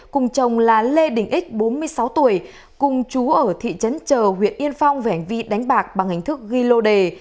cùng chồng là lê đình ích bốn mươi sáu tuổi cùng chú ở thị trấn trờ huyện yên phong vẻnh vi đánh bạc bằng hình thức ghi lô đề